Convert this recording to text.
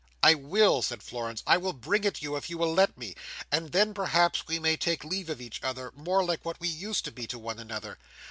"I will!" said Florence. "I will bring it you, if you will let me; and then, perhaps, we may take leave of each other, more like what we used to be to one another.